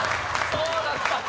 そうだった。